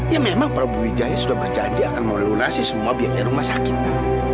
ya memang prabu wijaya sudah berjanji akan melalui semua biaya rumah sakit mas